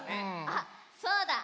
あっそうだ！